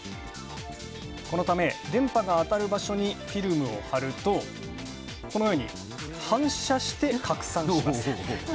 このため、電波が当たる場所にフィルムを貼ると、このように反射して拡散します。